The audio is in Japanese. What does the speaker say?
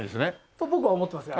と僕は思ってますが。